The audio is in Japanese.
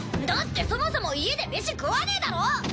だってそもそも家で飯食わねえだろ！